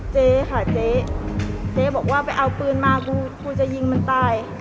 เจ๊ค่ะเจ๊เจ๊บอกว่าไปเอาปืนมากูกูจะยิงมันตาย